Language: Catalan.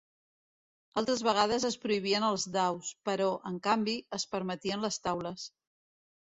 Altres vegades es prohibien els daus, però, en canvi, es permetien les taules.